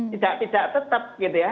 tidak tetap gitu ya